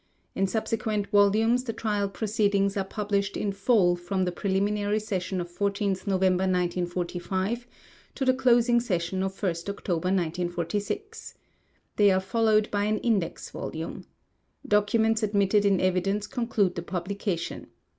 In subsequent volumes the Trial proceedings are published in full from the preliminary session of 14 November 1945 to the closing session of 1 October 1946. They are followed by an index volume. Documents admitted in evidence conclude the publication.